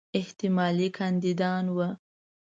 احتمالي کاندیدان ول.